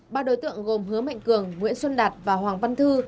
ba đối tượng gồm hứa mạnh cường nguyễn xuân đạt và hoàng văn thư